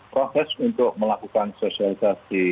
proses untuk melakukan sosialisasi